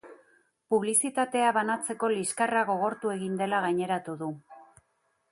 Publizitatea banatzeko liskarra gogortu egin dela gaineratu du.